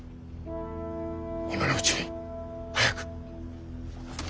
今のうちに早く。